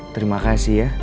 terima kasih ya